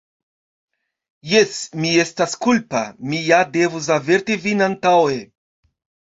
Jes, mi estas kulpa; mi ja devus averti vin antaŭe.